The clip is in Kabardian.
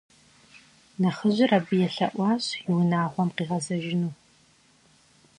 Нэхъыжьыр абы елъэӀуащ и унагъуэм къигъэзэжыну.